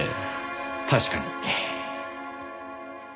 確かに。